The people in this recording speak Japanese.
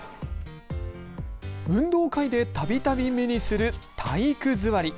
運動会でたびたび目にする体育座り。